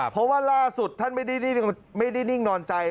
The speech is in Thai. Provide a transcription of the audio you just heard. เพราะว่าล่าสุดท่านไม่ได้นิ่งนอนใจ